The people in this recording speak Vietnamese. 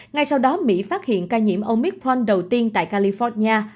ngay sau đó mỹ phát hiện ca nhiễm omicron đầu tiên tại california